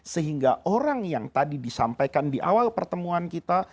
sehingga orang yang tadi disampaikan di awal pertemuan kita